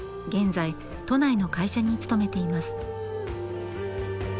現在都内の会社に勤めています。